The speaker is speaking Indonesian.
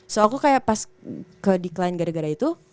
so aku kayak pas ke dekline gara gara itu